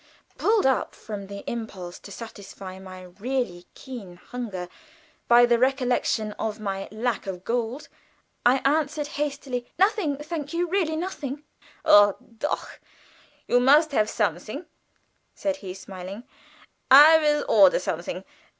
Pulled up from the impulse to satisfy my really keen hunger by the recollection of my "lack of gold," I answered hastily. "Nothing, thank you really nothing." "O doch! You must have something," said he, smiling. "I will order something.